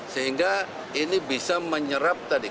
sehingga ini bisa menyerap tadi